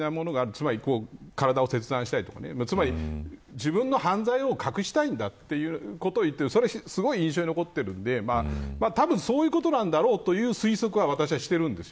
つまり体を切断したりとかつまり、自分の犯罪を隠したいんだということを言っていてそれがすごい印象に残ってるんでたぶんそういうことなんだろうという推測を私はしているんです。